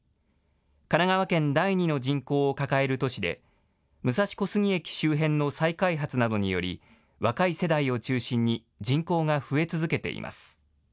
神奈川県第２の人口を抱える都市で、武蔵小杉駅周辺の再開発などにより、若い世代を中心に、人口が増え続けています。